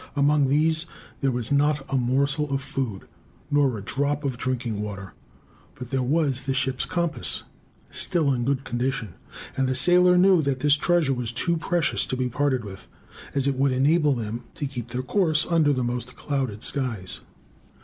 Among these there was not a morsel of food, nor a drop of drinking water; but there was the ship's compass, still in good condition; and the sailor knew that this treasure was too precious to be parted with: as it would enable them to keep to their course under the most clouded skies.